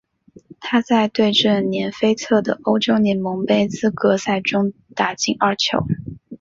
他在对阵连菲特的欧洲联盟杯资格赛中打进二球。